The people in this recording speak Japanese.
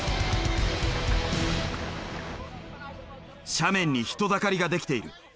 斜面に人だかりが出来ている。